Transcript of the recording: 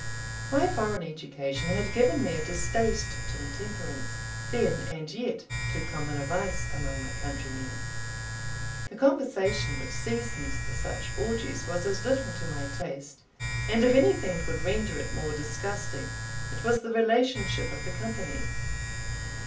My foreign education had given me a distaste to intemperance, then and yet too common a vice among my countrymen. The conversation which seasoned such orgies was as little to my taste, and if anything could render it more disgusting, it was the relationship of the company.